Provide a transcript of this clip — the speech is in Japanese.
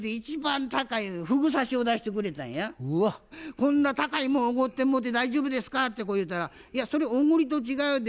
「こんな高いもんおごってもうて大丈夫ですか？」ってこう言うたら「いやおごりと違うで。